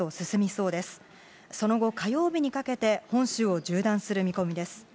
その後、火曜日にかけて本州を縦断する見込みです。